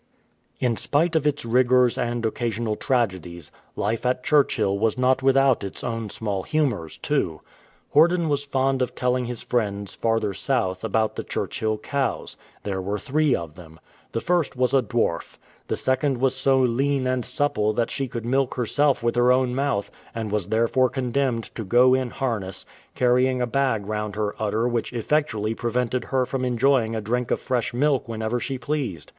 In spite of its rigours and occasional tragedies, life at Churchill was not without its own small humours too. Horden was fond of telling his friends farther south about N 193 THE TAILLESS COAV the Churchill cows. There were three of them. The first was a dwarf. The second was so lean and supple that she could milk herself with her own mouth, and was therefore condemned to go in harness, carrying a bag round her udder which effectually prevented her from enjoying a drink of fresh milk whenever she pleased.